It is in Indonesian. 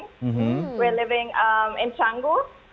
kita tinggal di canggu